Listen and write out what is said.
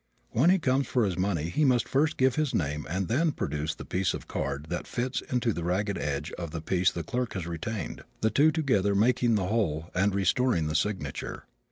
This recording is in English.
When he comes for his money he must first give his name and then produce the piece of card that fits into the ragged edge of the piece the clerk has retained, the two together making the whole and restoring the signature.